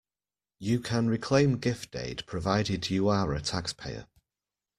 You can reclaim gift aid provided you are a taxpayer.